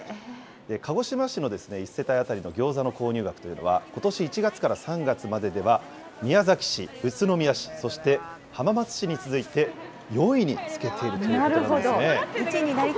鹿児島市の１世帯当たりのギョーザの購入額というのは、ことし１月から３月まででは、宮崎市、宇都宮市、そして浜松市に続いて、４位につけているということなんですね。